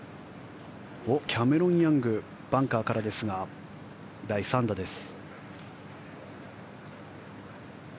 キャメロン・ヤングバンカーからですが第３打です。